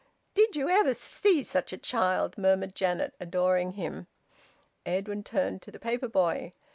"Did you ever see such a child?" murmured Janet, adoring him. Edwin turned to the paper boy.